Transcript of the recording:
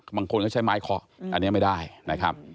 บางคนก็ใช้ไม้เคาะอันนี้ไม่ได้นะครับ